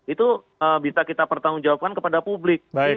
itu bisa kita pertanggungjawabkan kepada publik